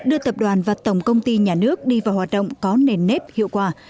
đưa tập đoàn và tổng công ty nhà nước đi vào hoạt động có nền nếp hiệu quả